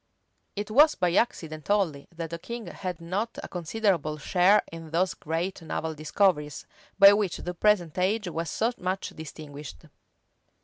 It was by accident only that the king had not a considerable share in those great naval discoveries, by which the present age was so much distinguished.